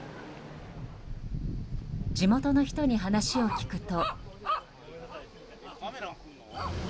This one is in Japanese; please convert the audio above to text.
地元の人に話を聞くと。